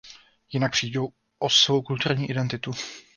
Jinak přijdou o svou kulturní identitu.